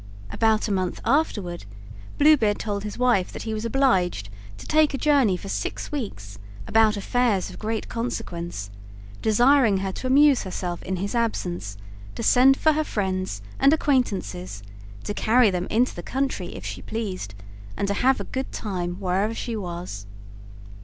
About a month afterward Blue Beard told his wife that he was obliged to take a journey for six weeks, about affairs of great consequence, desiring her to amuse herself in his absence, to send for her friends and acquaintances, to carry them in to the country if she pleased, and to have a good time wherever she was.